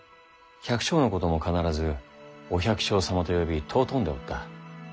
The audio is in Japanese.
百姓のことも必ず「お百姓様」と呼び尊んでおった。